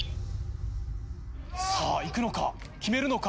さぁいくのか決めるのか。